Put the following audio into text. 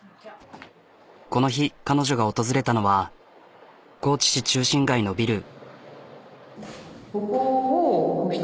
この日彼女が訪れたのは高知市中心街のビル。